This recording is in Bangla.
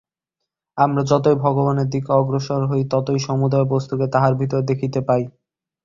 আমরা যতই ভগবানের দিকে অগ্রসর হই, ততই সমুদয় বস্তুকে তাঁহার ভিতর দেখিতে পাই।